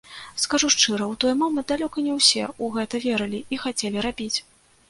Скажу шчыра, у той момант далёка не ўсе ў гэта верылі і хацелі рабіць.